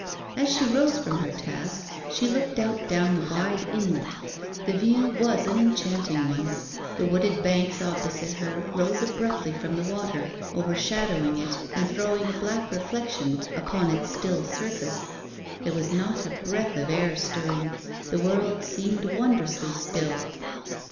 As she rose from her task she looked out down the wide inlet. The view was an enchanting one. The wooded banks opposite her rose abruptly from the water, overshadowing it, and throwing a black reflection upon its still surface. There was not a breath of air stirring; the world seemed wondrously still.